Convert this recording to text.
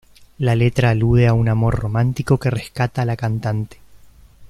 La letra alude a un amor romántico que rescata a la cantante.